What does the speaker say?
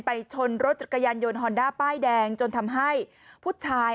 ชนรถจักรยานยนต์ฮอนด้าป้ายแดงจนทำให้ผู้ชาย